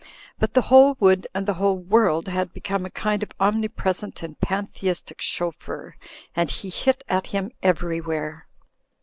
But the whole wood and the whole world had become a kind of omnipresent and panthe istic chauffeur, and he hit at him everywhere.